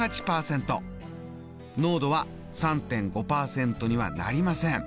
濃度は３．５％にはなりません。